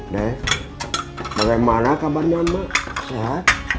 nek bagaimana kabarnya pak sehat